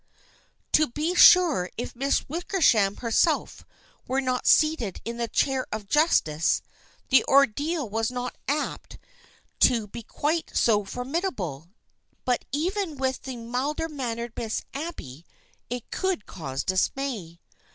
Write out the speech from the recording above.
To be sure if Miss Wickersham herself were not seated in the Chair of Justice the ordeal was not apt to 264 THE FRIENDSHIP OF ANNE be quite so formidable, but even with the milder mannered Miss Abby it could cause dismay.